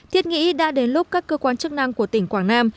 thiết nghĩ đã đến lúc các cơ quan chức năng của tỉnh quảng nam